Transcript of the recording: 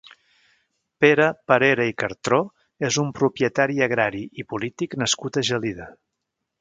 Pere Parera i Cartró és un propietari agrari i polític nascut a Gelida.